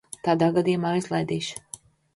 Tādā gadījumā izlaidīšu.